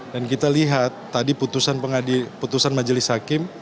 dan kita lihat tadi putusan majelis hakim